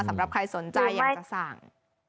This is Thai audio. สำหรับใครสนใจอยากจะสั่ง